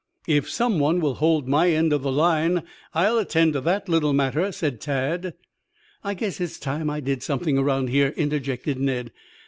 "If some one will hold my end of the line I'll attend to that little matter," said Tad. "I guess it's time I did something around here," interjected Ned.